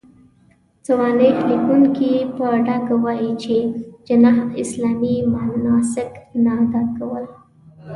سوانح ليکونکي يې په ډاګه وايي، چې جناح اسلامي مناسک نه اداء کول.